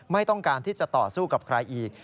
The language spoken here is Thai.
ไม่ต้องการที่จะต่อสู้กับใครอีก